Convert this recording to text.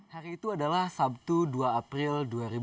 hari itu adalah sabtu dua april dua ribu dua puluh